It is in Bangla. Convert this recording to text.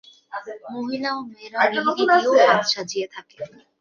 মহিলা ও মেয়েরা মেহেদী দিয়েও হাত সাজিয়ে থাকে।